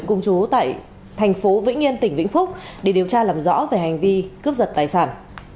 cùng chú tại thành phố vĩnh yên tỉnh vĩnh phúc để điều tra làm rõ về hành vi cướp giật tài sản